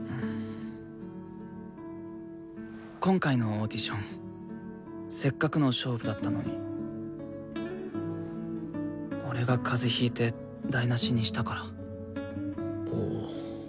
今回のオーディションせっかくの勝負だったのに俺が風邪ひいて台なしにしたから。